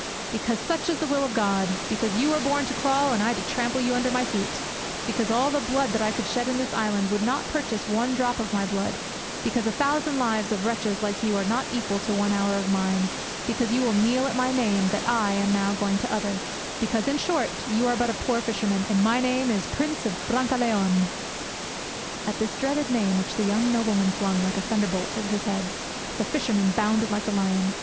"Because such is the will of God; because you were born to crawl and I to trample you under my feet; because all the blood that I could shed in this island would not purchase one drop of my blood; because a thousand lives of wretches like you are not equal to one hour of mine; because you will kneel at my name that I, am now going to utter; because, in short, you are but a poor fisherman and my name is Prince of Brancaleone." At this dreaded name, which the young nobleman flung, like a thunderbolt, at his head, the fisherman bounded like a lion.